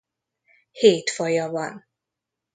Hét faja van.